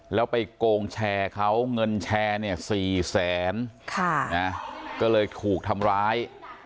แล้วไปโกงแชร์เขาเงินแชร์เนี่ย๔แสนก็เลยถูกทำร้าย